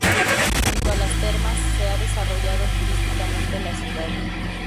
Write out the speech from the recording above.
Junto a las termas, se ha desarrollado turísticamente la ciudad.